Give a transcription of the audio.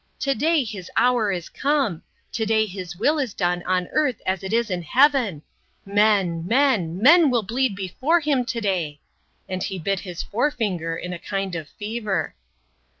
"Today his hour is come. Today his will is done on earth as it is in heaven. Men, men, men will bleed before him today." And he bit his forefinger in a kind of fever.